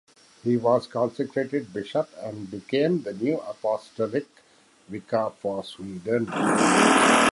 He was consecrated bishop and became the new apostolic vicar for Sweden.